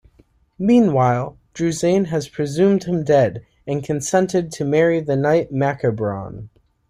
Meanwhile, Druzane has presumed him dead and consented to marry the knight Macabron.